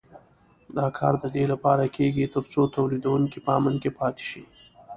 دا کار د دې لپاره کېږي تر څو تولیدوونکي په امن کې پاتې شي.